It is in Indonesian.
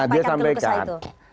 nah dia sampaikan